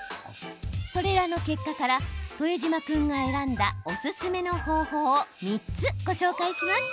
それらの結果から副島君が選んだおすすめの方法を３つご紹介します。